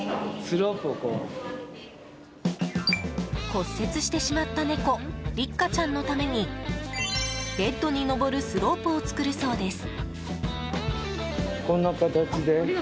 骨折してしまった猫りっかちゃんのためにベッドに上るスロープを作るそうです。